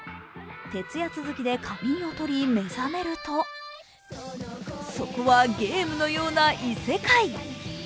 徹夜続きで仮眠をとり目覚めるとそこはゲームのような異世界。